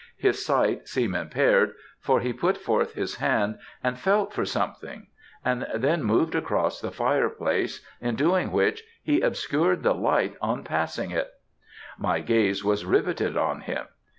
His sight seemed impaired, for he put forth his hand and felt for something, and then moved across the fireplace, in doing which, he obscured the light on passing it. My gaze was riveted on him.